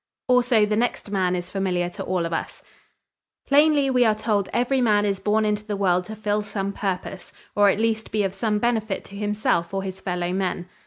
Also the next man is familiar to all of us. "Plainly we are told every man is born into the world to fill some purpose, or at least be of some benefit to himself or his fellowmen.